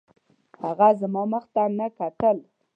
هغه زما مخ ته نه کتل